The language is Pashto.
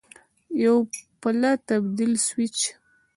یو پله تبدیل سویچ